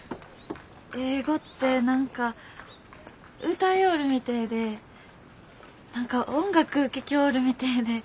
英語って何か歌ようるみてえで何か音楽ぅ聴きょうるみてえで。